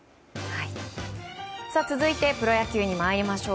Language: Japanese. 続いてプロ野球に参りましょう。